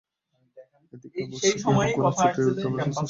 এদিকে আবু সুফিয়ানও ঘোড়া ছুটিয়ে ইকরামার কাছে আসে।